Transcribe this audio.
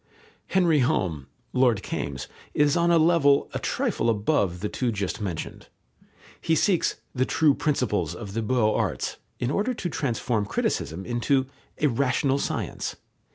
Henry Home (Lord Kaimes) is on a level a trifle above the two just mentioned. He seeks "the true principles of the beaux arts," in order to transform criticism into "a rational science."